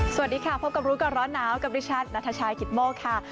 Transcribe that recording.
สวัสดีค่ะพบกับรู้กับร้อนหนาวกับริชันนทชาญกิตโมครับ